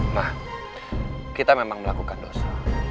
nah kita memang melakukan dosa